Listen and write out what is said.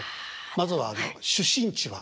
まずは出身地は？